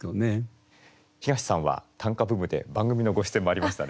東さんは短歌ブームで番組のご出演もありましたね。